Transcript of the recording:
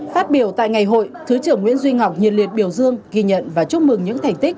phát biểu tại ngày hội thứ trưởng nguyễn duy ngọc nhiệt liệt biểu dương ghi nhận và chúc mừng những thành tích